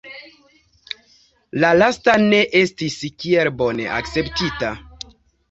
La lasta ne estis kiel bone akceptita.